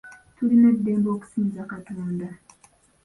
Tulina eddembe okusinza Katonda.